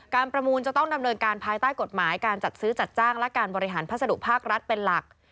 ประมูลจะต้องดำเนินการภายใต้กฎหมายการจัดซื้อจัดจ้างและการบริหารพัสดุภาครัฐเป็นหลัก